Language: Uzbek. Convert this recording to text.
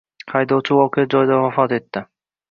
Haydovchi voqea joyida vafot etdi